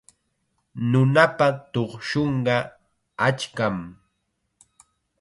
Nunapa tuqshunqa achkam.